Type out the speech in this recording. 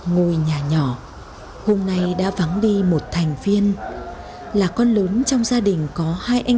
ngồi nhà nhỏ hôm nay đã vắng đi một thành viên là con lớn trong gia đình có hai anh em gia đình làm nghề nông